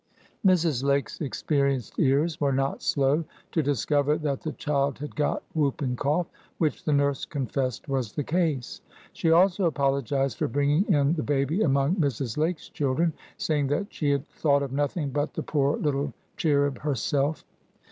Mrs. Lake's experienced ears were not slow to discover that the child had got whooping cough, which the nurse confessed was the case. She also apologized for bringing in the baby among Mrs. Lake's children, saying that she had "thought of nothing but the poor little chirrub herself."